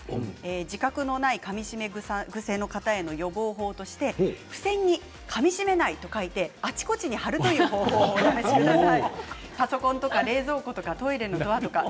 自覚のない、かみしめ癖の方の予防法として付箋にかみしめないと書いてあちこちに貼るという方法をお試しください。